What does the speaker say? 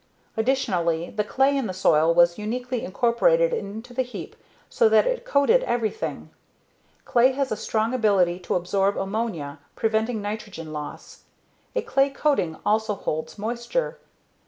Additionally, the clay in the soil was uniquely incorporated into the heap so that it coated everything. Clay has a strong ability to absorb ammonia, preventing nitrogen loss. A clay coating also holds moisture.